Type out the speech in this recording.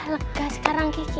lega sekarang gigi